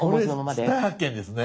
これ大発見ですね。